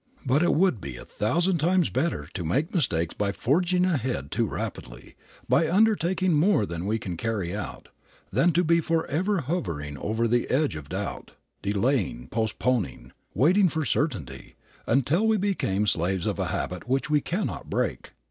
But it would be a thousand times better to make mistakes by forging ahead too rapidly, by undertaking more than we can carry out, than to be forever hovering upon the edge of doubt, delaying, postponing, waiting for certainty, until we become slaves of a habit which we cannot break.